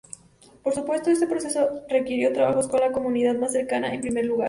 Por supuesto, ese proceso requirió trabajos con la comunidad más cercana en primer lugar.